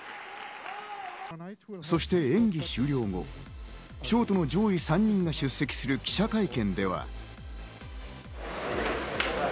そして演技終了後、ショートの上位３人が出席する記者会見では。